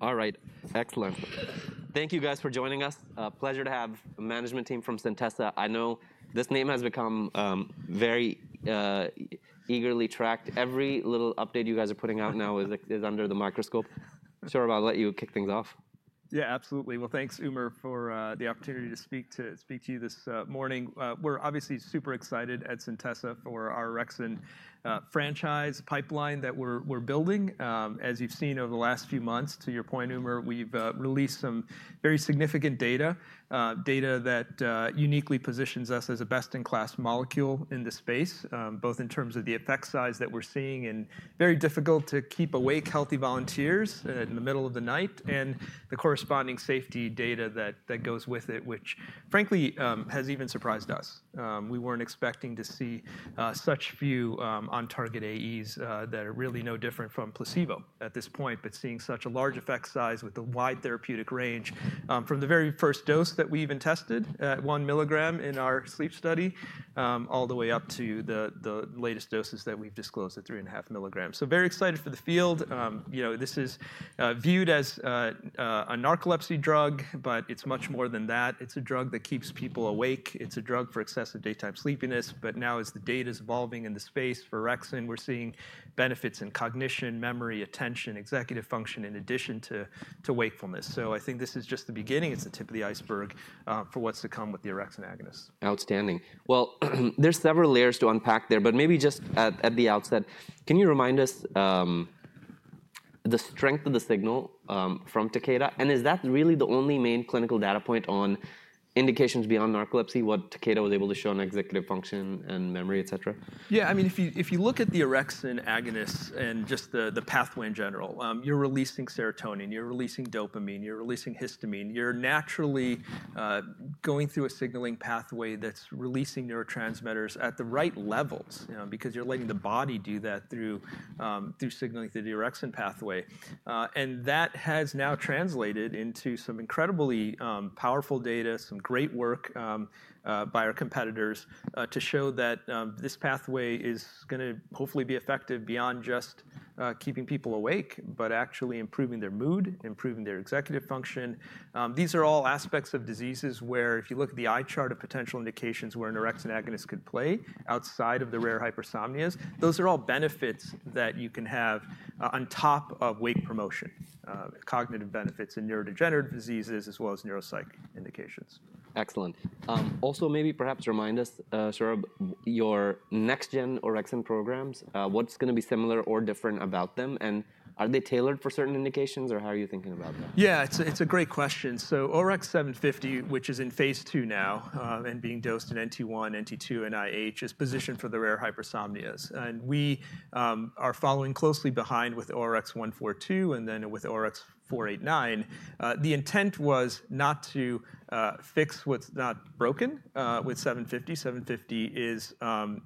All right. Excellent. Thank you, guys, for joining us. A pleasure to have the management team from Centessa. I know this name has become very eagerly tracked. Every little update you guys are putting out now is under the microscope. Saurabh, I'll let you kick things off. Yeah, absolutely. Well, thanks, Umer, for the opportunity to speak to you this morning. We're obviously super excited at Centessa for our orexin franchise pipeline that we're building. As you've seen over the last few months, to your point, Umer, we've released some very significant data, data that uniquely positions us as a best-in-class molecule in the space, both in terms of the effect size that we're seeing and very difficult to keep awake healthy volunteers in the middle of the night, and the corresponding safety data that goes with it, which, frankly, has even surprised us. We weren't expecting to see such few on-target AEs that are really no different from placebo at this point, but seeing such a large effect size with the wide therapeutic range from the very first dose that we even tested at one milligram in our sleep study all the way up to the latest doses that we've disclosed at 3.5 mg. So very excited for the field. This is viewed as a narcolepsy drug, but it's much more than that. It's a drug that keeps people awake. It's a drug for excessive daytime sleepiness. But now, as the data is evolving in the space for orexin, we're seeing benefits in cognition, memory, attention, executive function, in addition to wakefulness. So I think this is just the beginning. It's the tip of the iceberg for what's to come with the orexin agonist. Outstanding. Well, there's several layers to unpack there, but maybe just at the outset, can you remind us the strength of the signal from Takeda? And is that really the only main clinical data point on indications beyond narcolepsy, what Takeda was able to show on executive function and memory, et cetera? Yeah. I mean, if you look at the orexin agonist and just the pathway in general, you're releasing serotonin. You're releasing dopamine. You're releasing histamine. You're naturally going through a signaling pathway that's releasing neurotransmitters at the right levels because you're letting the body do that through signaling through the orexin pathway. And that has now translated into some incredibly powerful data, some great work by our competitors to show that this pathway is going to hopefully be effective beyond just keeping people awake, but actually improving their mood, improving their executive function. These are all aspects of diseases where, if you look at the eye chart of potential indications where an orexin agonist could play outside of the rare hypersomnias, those are all benefits that you can have on top of wake promotion, cognitive benefits in neurodegenerative diseases, as well as neuropsych indications. Excellent. Also, maybe perhaps remind us, Saurabh, your next-gen orexin programs, what's going to be similar or different about them? And are they tailored for certain indications, or how are you thinking about that? Yeah, it's a great question. So ORX750, which is in phase II now and being dosed in NT1, NT2, and IH, is positioned for the rare hypersomnias. And we are following closely behind with ORX142 and then with ORX489. The intent was not to fix what's not broken with 750. 750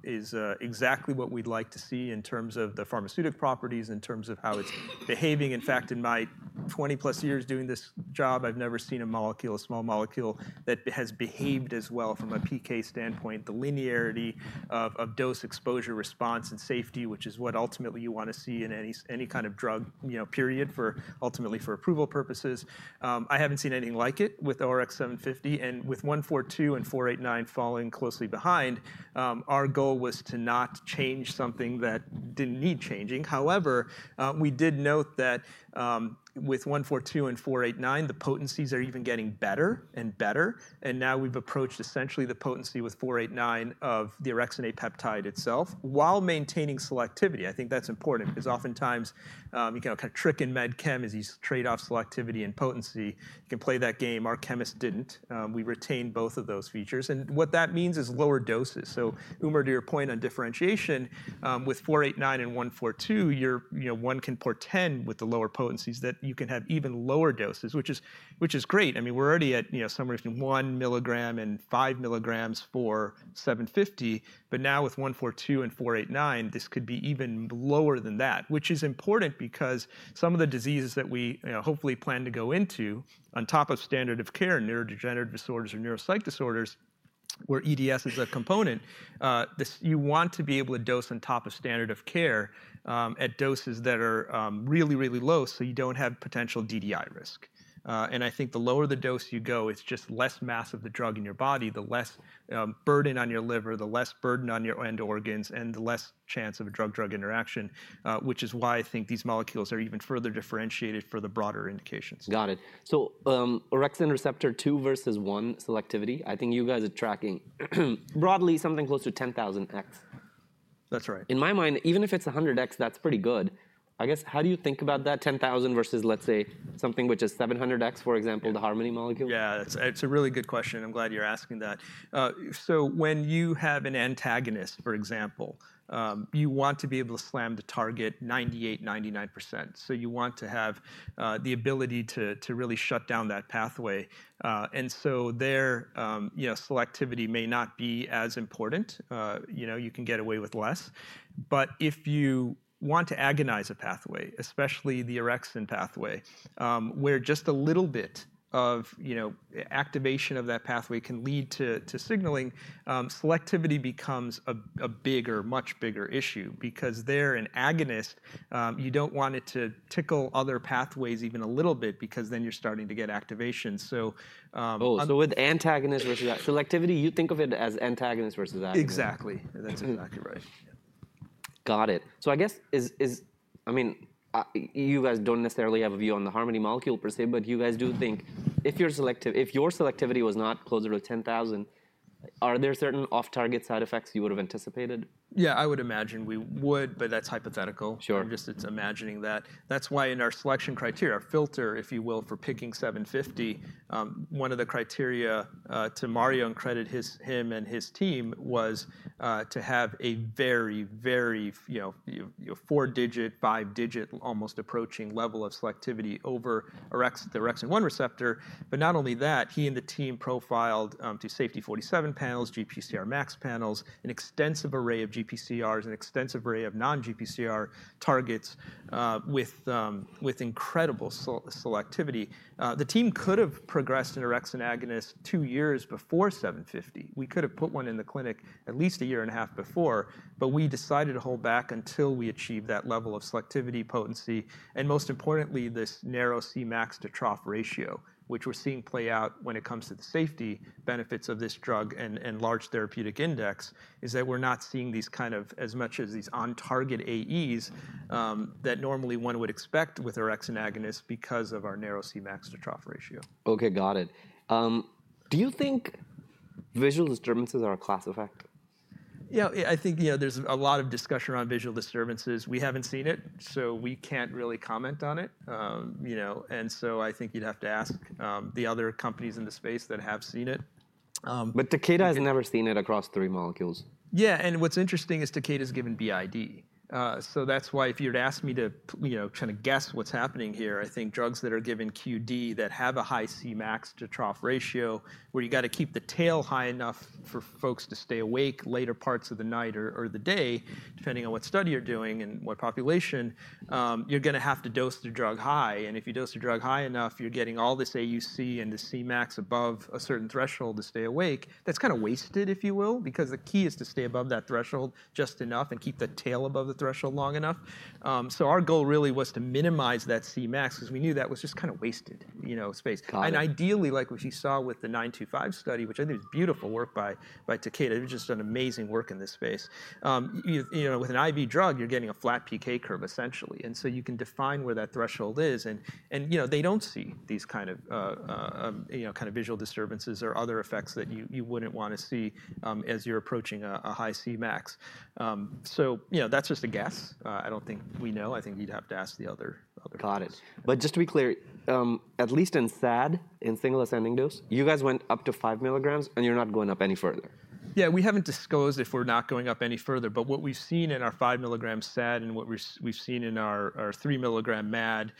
is exactly what we'd like to see in terms of the pharmaceutical properties, in terms of how it's behaving. In fact, in my 20+ years doing this job, I've never seen a molecule, a small molecule that has behaved as well from a PK standpoint, the linearity of dose exposure response and safety, which is what ultimately you want to see in any kind of drug period for ultimately for approval purposes. I haven't seen anything like it with ORX750. And with 142 and 489 falling closely behind, our goal was to not change something that didn't need changing. However, we did note that with 142 and 489, the potencies are even getting better and better. And now we've approached essentially the potency with 489 of the Orexin A peptide itself while maintaining selectivity. I think that's important because oftentimes you can kind of trick in med chem as you trade off selectivity and potency. You can play that game. Our chemist didn't. We retained both of those features. And what that means is lower doses. So, Umer, to your point on differentiation, with 489 and 142, one can pretend with the lower potencies that you can have even lower doses, which is great. I mean, we're already at somewhere between 1mg and 5mgs for 750. But now with 142 and 489, this could be even lower than that, which is important because some of the diseases that we hopefully plan to go into, on top of standard of care, neurodegenerative disorders or neuropsych disorders, where EDS is a component, you want to be able to dose on top of standard of care at doses that are really, really low so you don't have potential DDI risk. And I think the lower the dose you go, it's just less mass of the drug in your body, the less burden on your liver, the less burden on your end organs, and the less chance of a drug-drug interaction, which is why I think these molecules are even further differentiated for the broader indications. Got it. So orexin receptor 2 versus 1 selectivity, I think you guys are tracking broadly something close to 10,000x. That's right. In my mind, even if it's 100x, that's pretty good. I guess, how do you think about that 10,000 versus, let's say, something which is 700x, for example, the Harmony molecule? Yeah, it's a really good question. I'm glad you're asking that. So when you have an antagonist, for example, you want to be able to slam the target 98%, 99%. So you want to have the ability to really shut down that pathway. And so there, selectivity may not be as important. You can get away with less. But if you want to agonize a pathway, especially the orexin pathway, where just a little bit of activation of that pathway can lead to signaling, selectivity becomes a bigger, much bigger issue because there, in agonist, you don't want it to tickle other pathways even a little bit because then you're starting to get activation. So with antagonist versus selectivity, you think of it as antagonist versus agonist. Exactly. That's exactly right. Got it. So I guess, I mean, you guys don't necessarily have a view on the Harmony molecule per se, but you guys do think if your selectivity was not closer to 10,000, are there certain off-target side effects you would have anticipated? Yeah, I would imagine we would, but that's hypothetical. Sure. I'm just imagining that. That's why in our selection criteria, our filter, if you will, for picking 750, one of the criteria to Mario and credit him and his team was to have a very, very four-digit, five-digit, almost approaching level of selectivity over the orexin 1 receptor. But not only that, he and the team profiled to Safety 47 panels, GPCR max panels, an extensive array of GPCRs, an extensive array of non-GPCR targets with incredible selectivity. The team could have progressed an orexin agonist two years before 750. We could have put one in the clinic at least a year and a half before, but we decided to hold back until we achieved that level of selectivity, potency, and most importantly, this narrow Cmax to trough ratio, which we're seeing play out when it comes to the safety benefits of this drug and large therapeutic index is that we're not seeing these kind of as much as these on-target AEs that normally one would expect with orexin agonist because of our narrow Cmax to trough ratio. OK, got it. Do you think visual disturbances are a class effect? Yeah, I think there's a lot of discussion around visual disturbances. We haven't seen it, so we can't really comment on it. And so I think you'd have to ask the other companies in the space that have seen it. But Takeda has never seen it across three molecules. Yeah. And what's interesting is Takeda is given BID. So that's why if you'd ask me to kind of guess what's happening here, I think drugs that are given QD that have a high Cmax to trough ratio, where you've got to keep the tail high enough for folks to stay awake later parts of the night or the day, depending on what study you're doing and what population, you're going to have to dose the drug high. And if you dose the drug high enough, you're getting all this AUC and the Cmax above a certain threshold to stay awake. That's kind of wasted, if you will, because the key is to stay above that threshold just enough and keep the tail above the threshold long enough. So our goal really was to minimize that Cmax because we knew that was just kind of wasted space. And ideally, like what you saw with the 925 study, which I think is beautiful work by Takeda, they've just done amazing work in this space, with an IV drug, you're getting a flat PK curve, essentially. And so you can define where that threshold is. And they don't see these kind of visual disturbances or other effects that you wouldn't want to see as you're approaching a high Cmax. So that's just a guess. I don't think we know. I think you'd have to ask the other people. Got it. But just to be clear, at least in SAD, in single ascending dose, you guys went up to 5mgs, and you're not going up any further. Yeah, we haven't disclosed if we're not going up any further, but what we've seen in our 5mgs SAD and what we've seen in our 3mg MAD,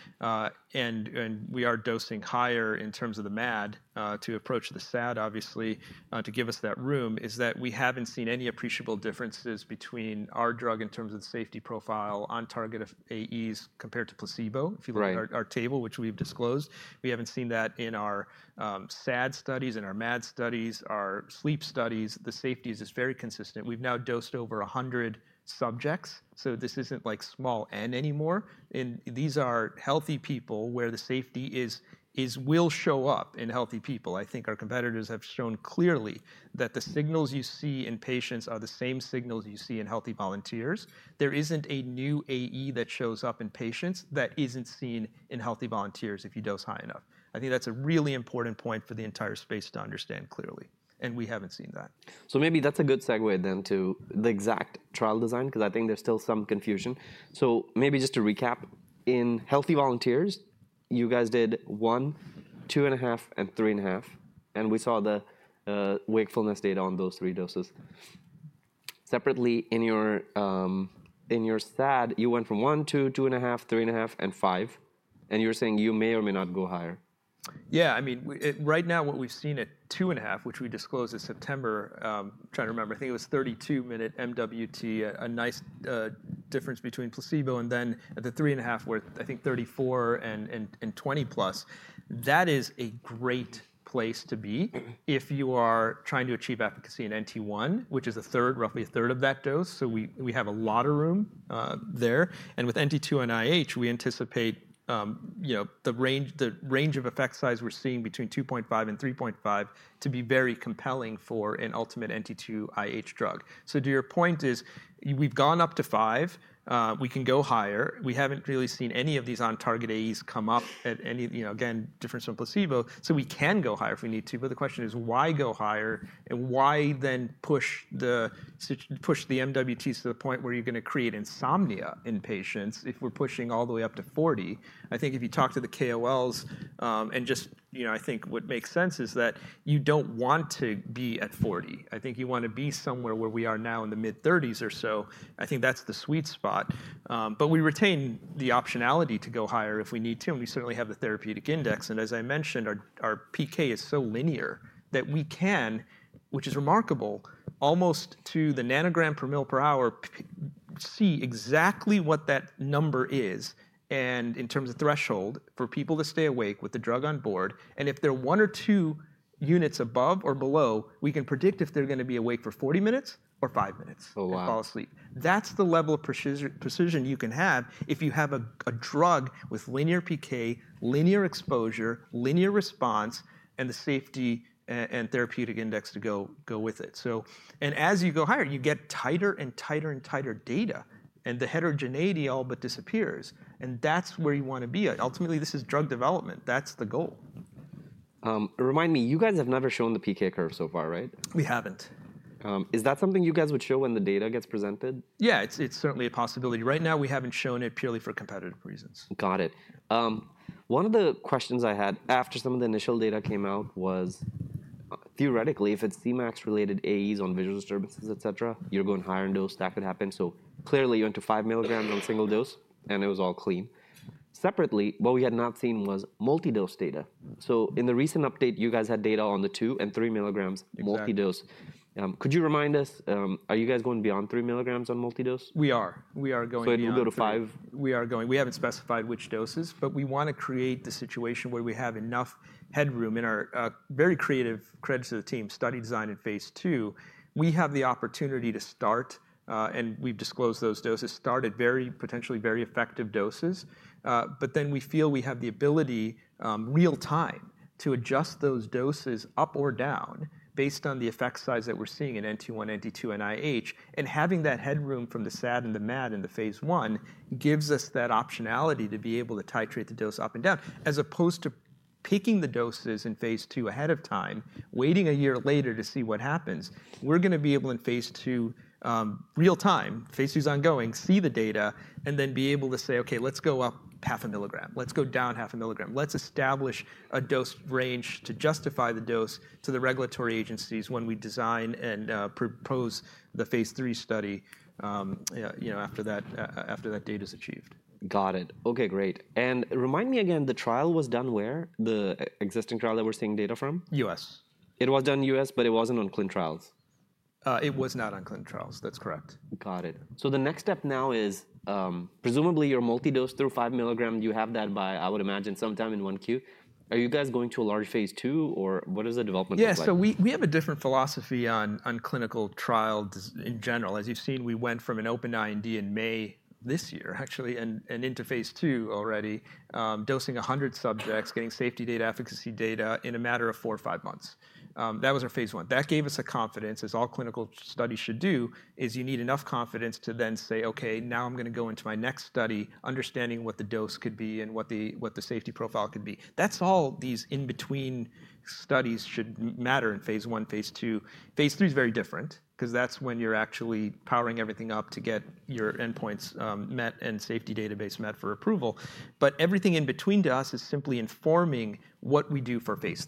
and we are dosing higher in terms of the MAD to approach the SAD, obviously, to give us that room, is that we haven't seen any appreciable differences between our drug in terms of the safety profile on-target AEs compared to placebo. If you look at our table, which we've disclosed, we haven't seen that in our SAD studies, in our MAD studies, our sleep studies. The safety is just very consistent. We've now dosed over 100 subjects. So this isn't like small n anymore, and these are healthy people where the safety will show up in healthy people. I think our competitors have shown clearly that the signals you see in patients are the same signals you see in healthy volunteers. There isn't a new AE that shows up in patients that isn't seen in healthy volunteers if you dose high enough. I think that's a really important point for the entire space to understand clearly, and we haven't seen that. So maybe that's a good segue then to the exact trial design because I think there's still some confusion. So maybe just to recap, in healthy volunteers, you guys did 1, 2.5, and 3.5. And we saw the wakefulness data on those three doses. Separately, in your SAD, you went from 1, 2, 2.5, 3.5, and 5. And you're saying you may or may not go higher. Yeah. I mean, right now, what we've seen at 2.5, which we disclosed in September, I'm trying to remember, I think it was 32-minute MWT, a nice difference between placebo. And then at the 3.5, where I think 34 and 20+, that is a great place to be if you are trying to achieve efficacy in NT1, which is a third, roughly a third of that dose. So we have a lot of room there. And with NT2 and IH, we anticipate the range of effect size we're seeing between 2.5 and 3.5 to be very compelling for an ultimate NT2 IH drug. So to your point, we've gone up to 5. We can go higher. We haven't really seen any of these on-target AEs come up at any, again, difference from placebo. So we can go higher if we need to. But the question is, why go higher? Why then push the MWTs to the point where you're going to create insomnia in patients if we're pushing all the way up to 40? I think if you talk to the KOLs, and just I think what makes sense is that you don't want to be at 40. I think you want to be somewhere where we are now in the mid-30s or so. I think that's the sweet spot. But we retain the optionality to go higher if we need to. And we certainly have the therapeutic index. And as I mentioned, our PK is so linear that we can, which is remarkable, almost to the nanogram per milliliter per hour, see exactly what that number is in terms of threshold for people to stay awake with the drug on board. And if they're one or two units above or below, we can predict if they're going to be awake for 40 minutes or five minutes and fall asleep. That's the level of precision you can have if you have a drug with linear PK, linear exposure, linear response, and the safety and therapeutic index to go with it. And as you go higher, you get tighter and tighter and tighter data. And the heterogeneity all but disappears. And that's where you want to be. Ultimately, this is drug development. That's the goal. Remind me, you guys have never shown the PK curve so far, right? We haven't. Is that something you guys would show when the data gets presented? Yeah, it's certainly a possibility. Right now, we haven't shown it purely for competitive reasons. Got it. One of the questions I had after some of the initial data came out was, theoretically, if it's Cmax-related AEs on visual disturbances, et cetera, you're going higher in dose. That could happen. So clearly, you went to 5mgs on single dose, and it was all clean. Separately, what we had not seen was multi-dose data. So in the recent update, you guys had data on the 2 and 3mgs multi-dose. Could you remind us, are you guys going beyond 3mgs on multi-dose? We are going beyond. So, you'll go to 5? We are going. We haven't specified which doses. But we want to create the situation where we have enough headroom in our very creative credits to the team study design in phase II. We have the opportunity to start, and we've disclosed those doses, start at very, potentially very effective doses. But then we feel we have the ability real-time to adjust those doses up or down based on the effect size that we're seeing in NT1, NT2, and IH. And having that headroom from the SAD and the MAD in the phase I gives us that optionality to be able to titrate the dose up and down, as opposed to picking the doses in phase II ahead of time, waiting a year later to see what happens. We're going to be able in phase II, real time. Phase II is ongoing. See the data, and then be able to say, OK, let's go up 0.5mg. Let's go down 0.5mg. Let's establish a dose range to justify the dose to the regulatory agencies when we design and propose the phase III study after that data is achieved. Got it. OK, great, and remind me again, the trial was done where, the existing trial that we're seeing data from? U.S. It was done in the U.S., but it wasn't on ClinicalTrials. It was not on ClinicalTrials. That's correct. Got it. So the next step now is, presumably, you're multi-dose through 5mg. You have that by, I would imagine, sometime in 1Q. Are you guys going to a large phase II, or what is the development look like? Yeah, so we have a different philosophy on ClinicalTrials in general. As you've seen, we went from an open IND in May this year, actually, and into phase II already, dosing 100 subjects, getting safety data, efficacy data in a matter of four or five months. That was our phase I. That gave us a confidence, as all clinical studies should do, is you need enough confidence to then say, OK, now I'm going to go into my next study, understanding what the dose could be and what the safety profile could be. That's all these in-between studies should matter in phase I, phase II. Phase III is very different because that's when you're actually powering everything up to get your endpoints met and safety database met for approval. But everything in between to us is simply informing what we do for phase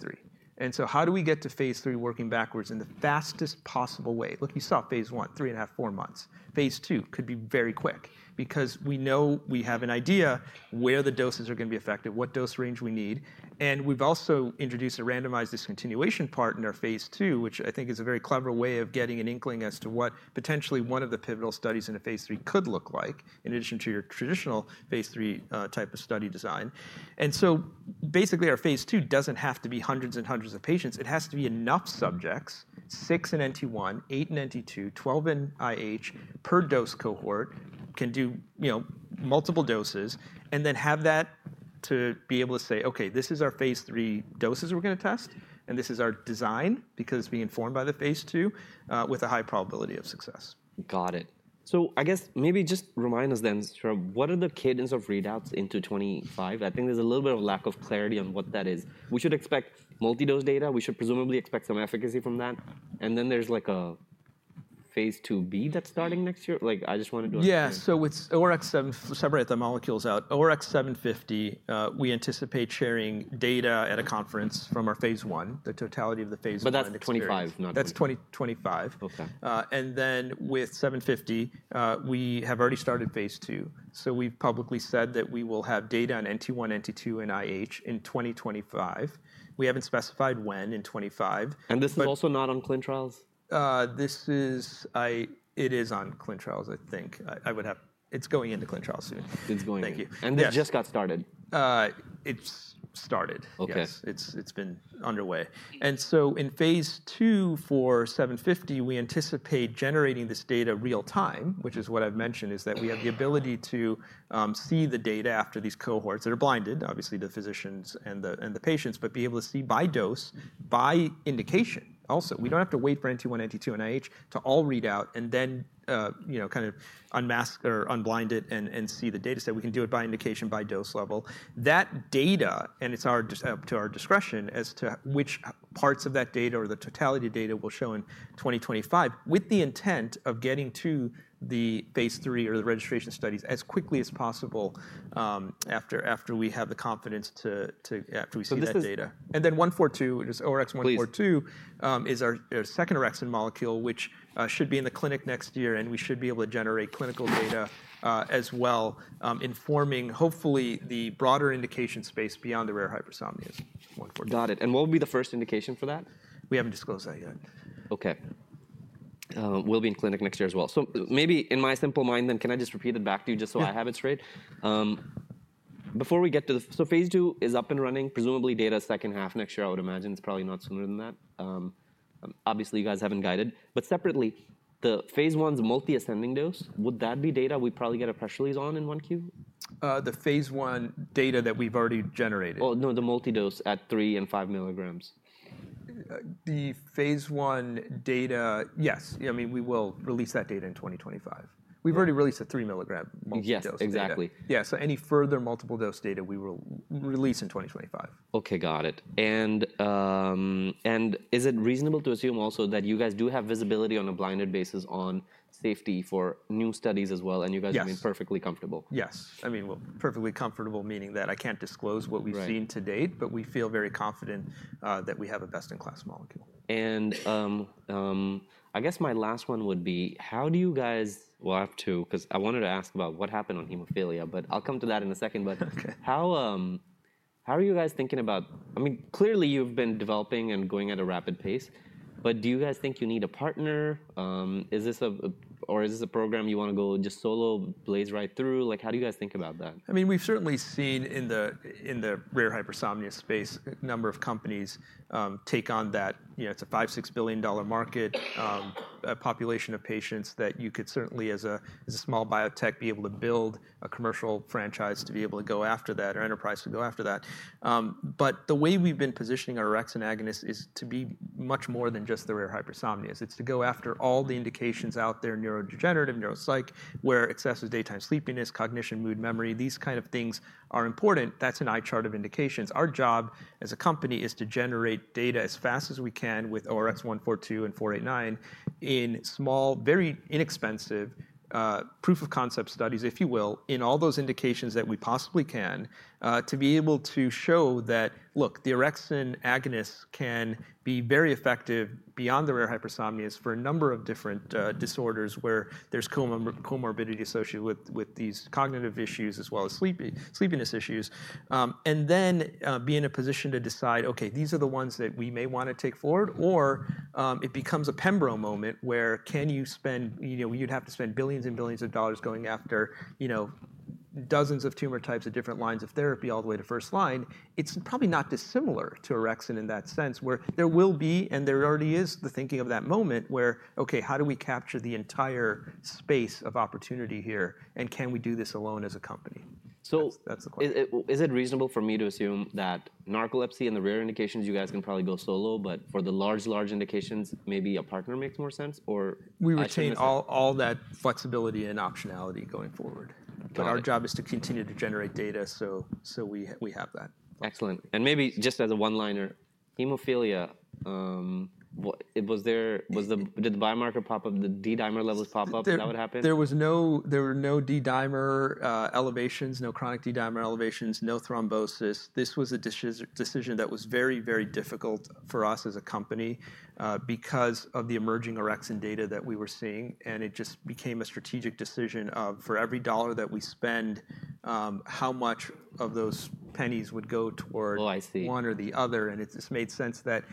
III. How do we get to phase III working backwards in the fastest possible way? Look, you saw phase I, three and a half, four months. Phase II could be very quick because we know we have an idea where the doses are going to be effective, what dose range we need. And we've also introduced a randomized discontinuation part in our phase II, which I think is a very clever way of getting an inkling as to what potentially one of the pivotal studies in a phase three could look like, in addition to your traditional phase III type of study design. Basically, our phase II doesn't have to be hundreds and hundreds of patients. It has to be enough subjects, six in NT1, eight in NT2, 12 in IH per dose cohort, can do multiple doses, and then have that to be able to say, OK, this is our phase III doses we're going to test, and this is our design because it's being informed by the phase II with a high probability of success. Got it. So I guess maybe just remind us then, what are the cadence of readouts into 2025? I think there's a little bit of lack of clarity on what that is. We should expect multi-dose data. We should presumably expect some efficacy from that. And then there's like a phase IIb that's starting next year? I just wanted to ask. Yeah, so we're separating the molecules out. ORX750, we anticipate sharing data at a conference from our phase I, the totality of the phase I. But that's 2025, not 2020. That's 2025. And then with 750, we have already started phase II. So we've publicly said that we will have data on NT1, NT2, and IH in 2025. We haven't specified when in 2025. This is also not on ClinicalTrials? This is. It is on ClinicalTrials, I think. It's going into ClinicalTrials soon. It's going in. Thank you. This just got started. It's started. It's been underway, and so in phase II for 750, we anticipate generating this data real time, which is what I've mentioned, is that we have the ability to see the data after these cohorts that are blinded, obviously to physicians and the patients, but be able to see by dose, by indication also. We don't have to wait for NT1, NT2, and IH to all read out and then kind of unmask or unblind it and see the data set. We can do it by indication, by dose level. That data, and it's up to our discretion as to which parts of that data or the totality of data we'll show in 2025, with the intent of getting to the phase III or the registration studies as quickly as possible after we have the confidence to, after we see that data. Then 142, which is ORX142, is our second orexin molecule, which should be in the clinic next year. We should be able to generate clinical data as well, informing, hopefully, the broader indication space beyond the rare hypersomnias. Got it. And what will be the first indication for that? We haven't disclosed that yet. OK. We'll be in clinic next year as well. So maybe in my simple mind then, can I just repeat it back to you just so I have it straight? Before we get to the, so phase II is up and running, presumably data is second half next year, I would imagine. It's probably not sooner than that. Obviously, you guys haven't guided. But separately, the phase I's multiple ascending dose, would that be data we probably get a press release on in 1Q? The phase I data that we've already generated. Oh, no, the multi-dose at 3 and 5mgs. The phase I data, yes. I mean, we will release that data in 2025. We've already released a 3mg multi-dose data. Yes, exactly. Yeah, so any further multiple dose data, we will release in 2025. OK, got it. And is it reasonable to assume also that you guys do have visibility on a blinded basis on safety for new studies as well? And you guys have been perfectly comfortable. Yes. I mean, perfectly comfortable, meaning that I can't disclose what we've seen to date, but we feel very confident that we have a best-in-class molecule. I guess my last one would be, how do you guys, well, I have to, because I wanted to ask about what happened on hemophilia, but I'll come to that in a second. How are you guys thinking about, I mean, clearly, you've been developing and going at a rapid pace. Do you guys think you need a partner, or is this a program you want to go just solo, blaze right through? How do you guys think about that? I mean, we've certainly seen in the rare hypersomnia space a number of companies take on that. It's a $5-$6 billion market, a population of patients that you could certainly, as a small biotech, be able to build a commercial franchise to be able to go after that, or enterprise to go after that. But the way we've been positioning our orexin agonist is to be much more than just the rare hypersomnias. It's to go after all the indications out there, neurodegenerative, neuropsych, where excessive daytime sleepiness, cognition, mood, memory, these kind of things are important. That's an eye chart of indications. Our job as a company is to generate data as fast as we can with ORX142 and ORX489 in small, very inexpensive proof of concept studies, if you will, in all those indications that we possibly can, to be able to show that, look, the orexin agonist can be very effective beyond the rare hypersomnias for a number of different disorders where there's comorbidity associated with these cognitive issues as well as sleepiness issues, and then be in a position to decide, OK, these are the ones that we may want to take forward, or it becomes a Pembro moment where can you spend, you'd have to spend billions and billions of dollars going after dozens of tumor types of different lines of therapy all the way to first line. It's probably not dissimilar to orexin in that sense, where there will be, and there already is the thinking of that moment where, OK, how do we capture the entire space of opportunity here, and can we do this alone as a company? So is it reasonable for me to assume that narcolepsy and the rare indications, you guys can probably go solo, but for the large, large indications, maybe a partner makes more sense, or? We retain all that flexibility and optionality going forward. But our job is to continue to generate data, so we have that. Excellent. And maybe just as a one-liner, hemophilia, did the biomarker pop up? Did the D-dimer levels pop up? Is that what happened? There were no D-dimer elevations, no chronic D-dimer elevations, no thrombosis. This was a decision that was very, very difficult for us as a company because of the emerging orexin data that we were seeing, and it just became a strategic decision of, for every dollar that we spend, how much of those pennies would go toward one or the other, and it just made sense that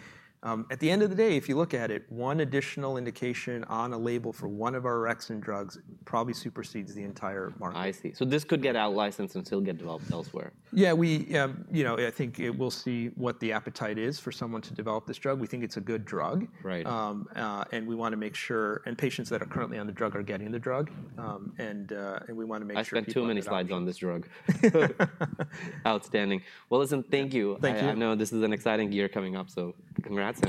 at the end of the day, if you look at it, one additional indication on a label for one of our orexin drugs probably supersedes the entire market. I see. So this could get out licensed and still get developed elsewhere. Yeah, I think we'll see what the appetite is for someone to develop this drug. We think it's a good drug. And we want to make sure, and patients that are currently on the drug are getting the drug. And we want to make sure. I spent too many slides on this drug. Outstanding. Well, listen, thank you. Thank you. I know this is an exciting year coming up, so congrats.